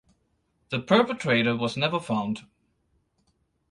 The perpetrator was never found.